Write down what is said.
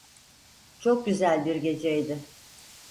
Çok güzel bir geceydi.